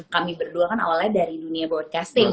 kami berdua kan awalnya dari dunia broadcasting